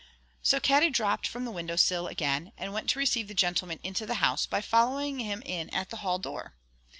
So Katty dropped from the window sill again, and went to receive the gentleman into the house by following him in at the hall door.